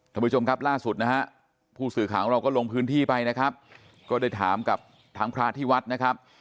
ท่านผู้ชมครับล่าสุดนะฮะผู้สื่อข่าวของเราก็ลงพื้นที่ไปนะครับก็ได้ถามกับทางพระที่วัดนะครับ